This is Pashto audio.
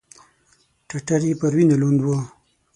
ټټر يې پر وينو لوند و.